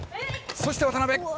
そして渡辺。